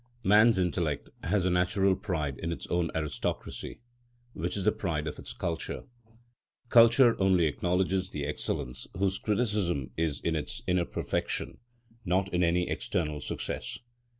Man's intellect has a natural pride in its own aristocracy, which is the pride of its culture. Culture only acknowledges the excellence whose criticism is in its inner perfection, not in any external success.